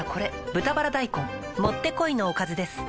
「豚バラ大根」もってこいのおかずです